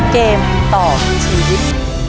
เกมต่อชีวิต